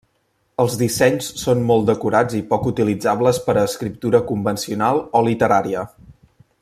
Els dissenys són molt decorats i poc utilitzables per a escriptura convencional o literària.